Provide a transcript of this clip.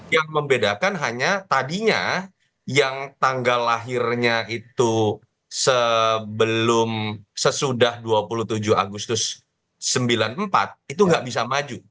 yang membedakan hanya tadinya yang tanggal lahirnya itu sebelum sesudah dua puluh tujuh agustus seribu sembilan ratus sembilan puluh empat itu nggak bisa maju